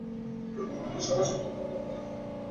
তিনি সমাজসেবামূলক কর্মকাণ্ডে ব্যয় করতেন।